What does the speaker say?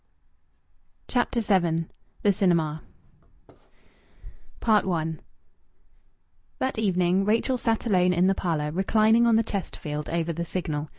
CHAPTER VII THE CINEMA I That evening Rachel sat alone in the parlour, reclining on the Chesterfield over the Signal.